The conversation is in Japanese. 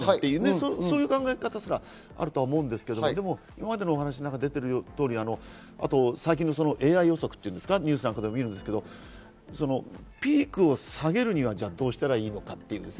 そういう考え方すらあると思うんですけど、今までのお話に出ている通り、あと最近のＡＩ予測をニュースなんかで見るんですけど、ピークを下げるにはどうしたらいいのか？